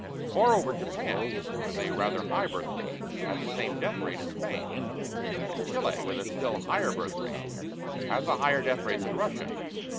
Moreover, Japan, with a rather high birth rate, has the same death rate as Spain; and Chile, with a still higher birth rate, has a higher death rate than Russia.